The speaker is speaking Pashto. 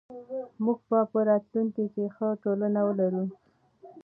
موږ به په راتلونکي کې ښه ټولنه ولرو.